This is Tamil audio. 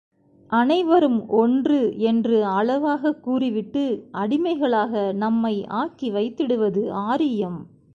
அனைவரும் ஒன்று என்று அழகாகக் கூறிவிட்டு, அடிமைகளாக நம்மை ஆக்கி வைத்திடுவது ஆரியம்.